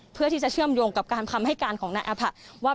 เพื่อที่จะเชื่อมโยงกับการคำให้การของนายอภะว่า